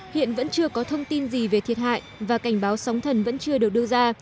hiện vẫn chưa có thông tin gì về thiệt hại và cảnh báo sóng thần vẫn chưa được đưa ra